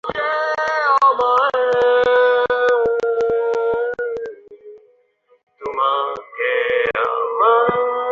মনে নাই কী বিষয়ে আলোচনা হইতেছিল, বোধ করি বর্তমান ভারতবর্ষের দুরবস্থা সম্বন্ধে।